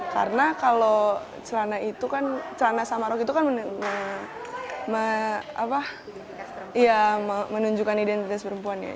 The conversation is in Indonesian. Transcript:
karena kalau celana itu kan celana sama rok itu kan menunjukkan identitas perempuan ya